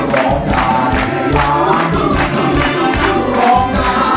ร้องได้ให้ล้าน